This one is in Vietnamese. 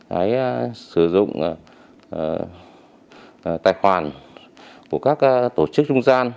đấy sử dụng tài khoản của các tổ chức trung gian